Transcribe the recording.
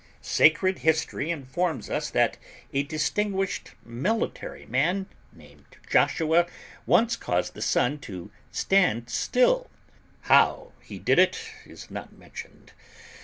Sacred history informs us that a distinguished military man, named Joshua, once caused the Sun to "stand still"; how he did it, is not mentioned.